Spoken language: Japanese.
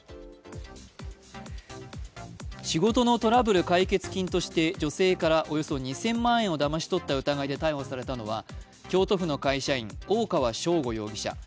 仕事のトラブル解決金として、女性からおよそ２０００万円をだまし取った疑いで逮捕されたのは京都府の会社員、大川聖悟容疑者。